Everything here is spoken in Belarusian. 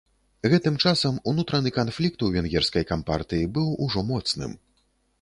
Гэтым часам унутраны канфлікт у венгерскай кампартыі быў ужо моцным.